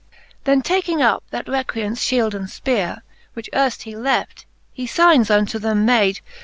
Then taking up that Recreants fliield and fpeare. Which earft he left, he fignes unto them made